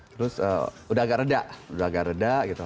terus udah agak reda udah agak reda gitu